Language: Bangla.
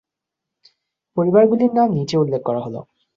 পরিবারগুলির নাম নিচে উল্লেখ করা হল।